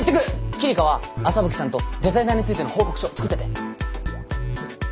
希梨香は麻吹さんとデザイナーについての報告書作ってて。